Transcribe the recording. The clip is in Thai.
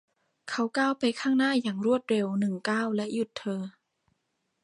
เขาก้าวไปข้างหน้าอย่างรวดเร็วหนึ่งก้าวและหยุดเธอ